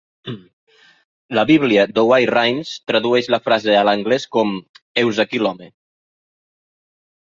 La bíblia Douay-Rheims tradueix la frase a l'anglès com "Heus aquí l'home!"